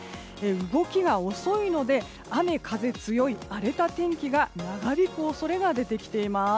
動きが遅いので雨風が強い荒れた天気が長引く恐れが出てきています。